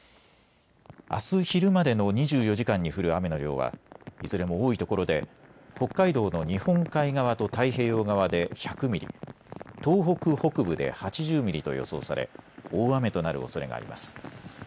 あす昼までの２４時間に降る雨の量は、いずれも多いところで北海道の日本海側と太平洋側で１００ミリ、東北北部で８０ミリと予想され大雨となるおそれがあります。